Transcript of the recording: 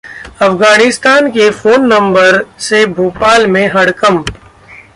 अफगानिस्तान के phone number से भोपाल में हड़कंप